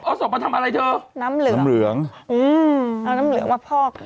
เอาศพมาทำอะไรเธอน้ำเหลืองน้ำเหลืองอืมเอาน้ำเหลืองมาพอก